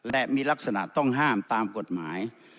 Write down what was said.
และมีลักษณะต้องห้ามตามกฎหมาย